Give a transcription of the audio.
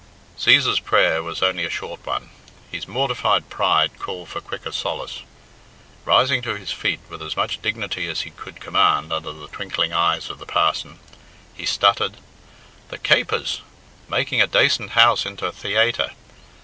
Cæsar's prayer was only a short one. His mortified pride called for quicker solace. Rising to his feet with as much dignity as he could command under the twinkling eyes of the parson, he stuttered, "The capers! Making a dacent house into a theaytre!